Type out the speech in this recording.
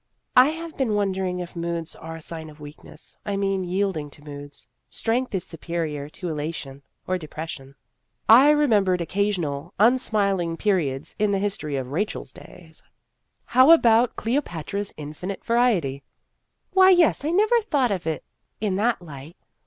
" I have been wondering if moods are a sign of weakness I mean, yielding to moods. Strength is superior to elation or depression." 94 Vassar Studies I remembered occasional unsmiling peri ods in the history of Rachel's days. " How about Cleopatra's 'infinite variety'?" "Why, yes, I never thought of it in that light.